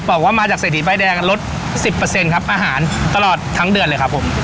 บอกว่ามาจากเศรษฐีป้ายแดงลด๑๐ครับอาหารตลอดทั้งเดือนเลยครับผม